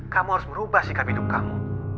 kamu harus merubah sikap hidup kamu